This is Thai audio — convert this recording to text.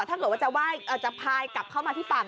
ถ้าเกิดว่าจะไหว้จะพายกลับเข้ามาที่ฝั่ง